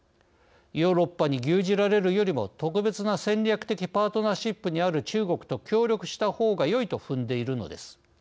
ヨーロッパに牛耳られるよりも特別な戦略的パートナーシップにある中国と協力したほうがよいと踏んでいるのです。